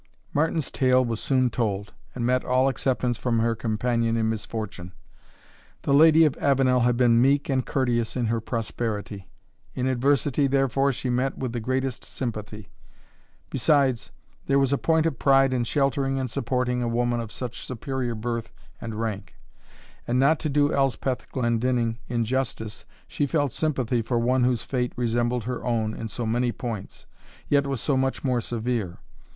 Martin's tale was soon told, and met all acceptance from her companion in misfortune. The Lady of Avenel had been meek and courteous in her prosperity; in adversity, therefore, she met with the greatest sympathy. Besides, there was a point of pride in sheltering and supporting a woman of such superior birth and rank; and, not to do Elspeth Glendinning injustice, she felt sympathy for one whose fate resembled her own in so many points, yet was so much more severe.